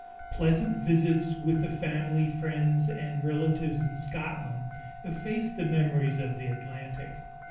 Pleasant visits with family friends and relatives in Scotland effaced the memories of the Atlantic.